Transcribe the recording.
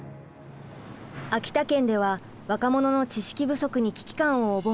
秋田県では若者の知識不足に危機感を覚え